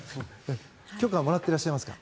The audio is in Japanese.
許可はもらっていらっしゃいますか？